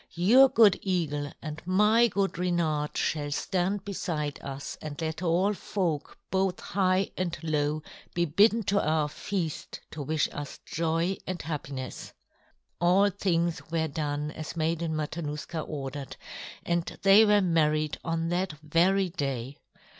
Your good eagle and my good Reynard shall stand beside us and let all folk both high and low be bidden to our feast to wish us joy and happiness." All things were done as Maiden Matanuska ordered, and they were married on that very day.